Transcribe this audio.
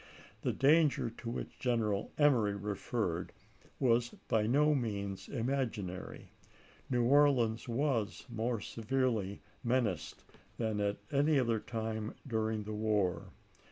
The chap. xi. danger to which General Emory referred was by no means imaginary. New Orleans was more severely menaced than at any other time during the war.